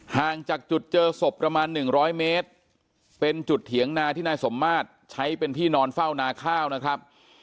ห่างจากจุดเจอศพประมาณ๑๐๐เมตรเป็นจุดเถียงนาที่นายสมมาตรใช้เป็นที่นอนเฝ้านาข้าวนะครับ